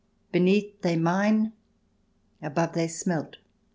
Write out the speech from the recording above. Beneath they mine, above they smelt.